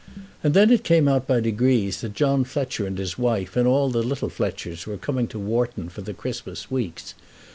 And then it came out by degrees that John Fletcher and his wife and all the little Fletchers were coming to Wharton for the Christmas weeks.